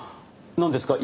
なんですか？